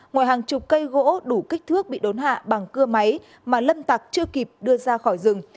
ngoài hàng chục cây gỗ đủ kích thước bị đốn hạ bằng cưa máy mà lâm tặc chưa kịp đưa ra khỏi rừng